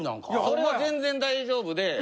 それは全然大丈夫で。